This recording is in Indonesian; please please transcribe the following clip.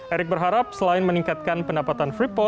erik berharap selain meningkatkan pendapatan